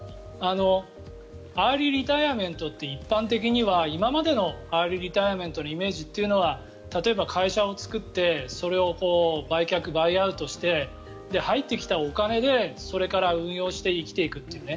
アーリーリタイアメントというのは一般的には、今までのアーリーリタイアメントのイメージは例えば会社を作ってそれを売却、バイアウトして入ってきたお金で運用して生きていくというね。